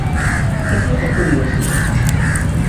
Resulta curioso.